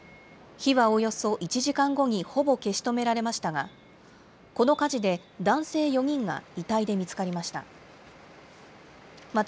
火はおよそ１時間後にほぼ消し止められましたが、この火事で、男性４人が遺体で見つかりました。